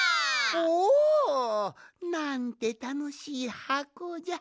おお！なんてたのしいはこじゃ。